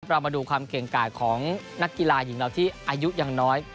เรามาดูความเก่งกายของนักกีฬาหญิงเราที่อายุยังน้อย